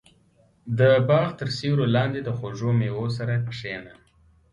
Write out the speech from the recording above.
• د باغ تر سیوري لاندې د خوږو مېوو سره کښېنه.